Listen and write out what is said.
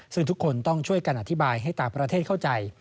ซึ่งทุกคนต้องช่วยกันอธิบายให้ต่างประเทศเข้าใจ